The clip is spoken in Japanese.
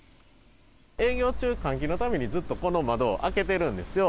営業中、換気のためにずっと、この窓を開けてるんですよ。